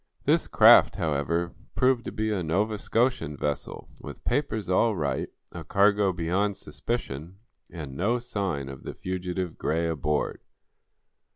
This craft, however, proved to be a Nova Scotian vessel, with papers all right, a cargo beyond suspicion and no sign of the fugitive Gray aboard.